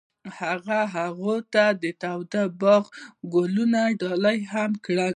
هغه هغې ته د تاوده باغ ګلان ډالۍ هم کړل.